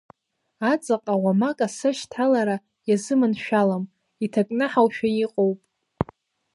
Аҵаҟа уамак асы ашьҭалара иазыманшәалам, иҭакнаҳауашәа иҟоуп.